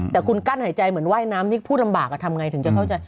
แต่คุณกั้นหายใจเหมือนว่ายน้ำที่พูดลำบากทำไงถึงจะเข้าใจ